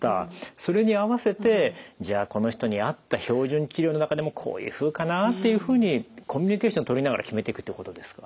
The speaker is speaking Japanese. それに合わせてじゃあこの人に合った標準治療の中でもこういうふうかなっていうふうにコミュニケーション取りながら決めていくっていうことですか？